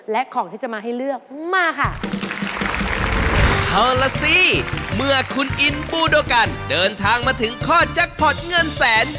และของที่จะมาให้เลือกมาค่ะ